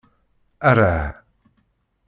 Arah